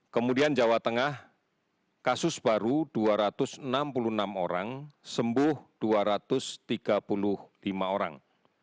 kemudian jawa tengah kasus baru dua ratus enam puluh enam orang sembuh dua ratus tiga puluh lima orang